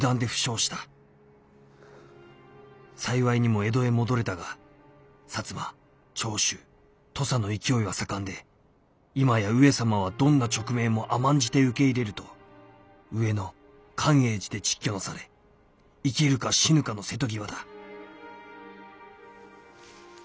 幸いにも江戸へ戻れたが摩長州土佐の勢いは盛んで今や上様はどんな勅命も甘んじて受け入れると上野寛永寺で蟄居なされ生きるか死ぬかの瀬戸際だ」。